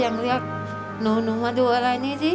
ทั้งในเรื่องของการทำงานเคยทำนานแล้วเกิดปัญหาน้อย